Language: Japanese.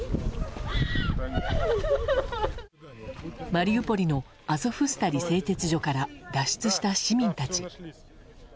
マリウポリのアゾフスタリ製鉄所から脱出した市民たち。